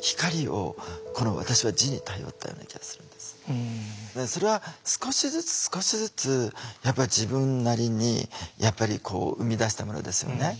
苦しいものだけからそれは少しずつ少しずつやっぱ自分なりにやっぱりこう生み出したものですよね。